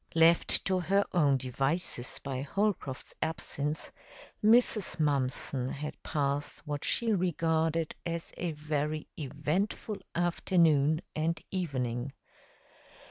Left to her own devices by Holcroft's absence, Mrs. Mumpson had passed what she regarded as a very eventful afternoon and evening.